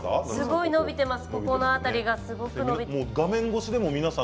はい、伸びてます。